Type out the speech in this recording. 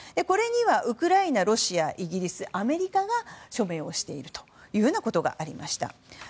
これにはウクライナ、ロシアイギリス、アメリカが署名をしているということがありました。